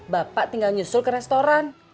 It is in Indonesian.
bapak tinggal nyusul ke restoran